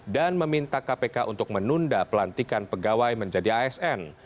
dan meminta kpk untuk menunda pelantikan pegawai menjadi asn